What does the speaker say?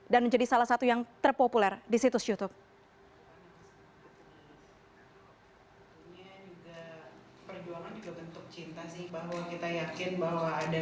dan menjadi salah satu yang terpopuler di situs youtube